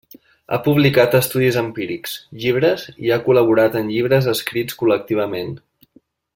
Ha publicat estudis empírics, llibres i ha col·laborat en llibres escrits col·lectivament.